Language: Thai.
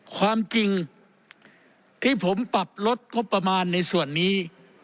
ความจริงที่ผมปรับลดงบประมาณในส่วนนี้